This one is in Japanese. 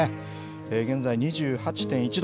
現在２８．１度。